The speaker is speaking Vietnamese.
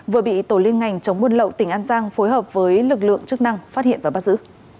vừa bị tổ liên ngành chống buôn lậu tỉnh an giang phối hợp với lực lượng chức năng phát hiện và bắt giữ